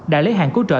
đã lấy hàng cứu trợ